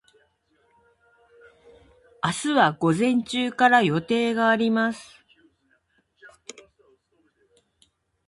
明日は午前中から予定があります。